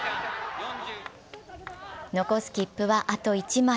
残す切符はあと１枚。